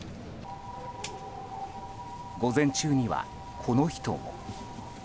午前中には、この人も。